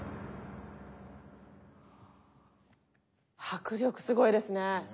迫力すごいですね。